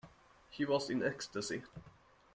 She was in ecstasy.